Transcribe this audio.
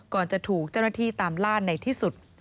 จะถูกเจ้าหน้าที่ตามล่าในที่สุด